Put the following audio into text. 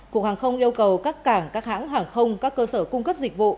cục hàng không yêu cầu các cảng các hãng hàng không các cơ sở cung cấp dịch vụ